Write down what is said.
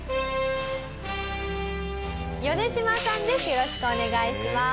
よろしくお願いします。